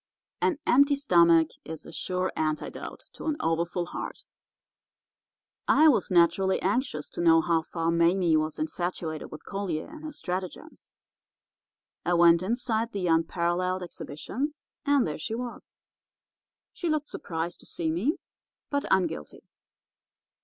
An empty stomach is a sure antidote to an overfull heart. "I was naturally anxious to know how far Mame was infatuated with Collier and his stratagems. I went inside the Unparalleled Exhibition, and there she was. She looked surprised to see me, but unguilty.